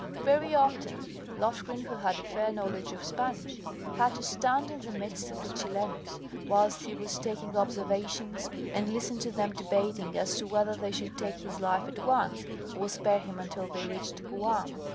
Very often Loftgreen, who had a fair knowledge of Spanish, had to stand in the midst of the Chilenos whilst he was taking observations, and listen to them debating as to whether they should take his life at once or spare him until they reached Guam.